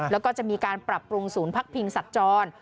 แล้วก็จะมีการปรับปรุงศูนย์พักพิงสัตว์จร